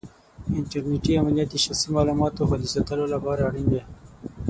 انټرنېټي امنیت د شخصي معلوماتو خوندي ساتلو لپاره اړین دی.